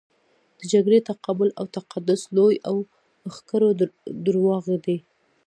د جګړې تقابل او تقدس لوی او ښکرور درواغ دي.